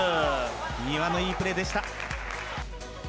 丹羽のいいプレーでした。